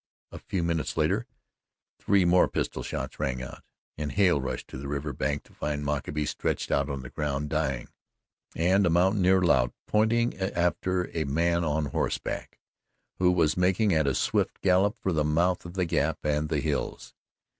A few minutes later three more pistol shots rang out, and Hale rushed to the river bank to find Mockaby stretched out on the ground, dying, and a mountaineer lout pointing after a man on horseback, who was making at a swift gallop for the mouth of the gap and the hills.